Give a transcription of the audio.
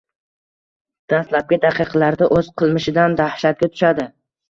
Dastlabki daqiqalarda o’z qilmishidan dahshatga tushadi.